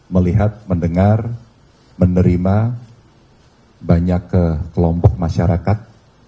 melihat mendengar menerima banyak kelompok masyarakat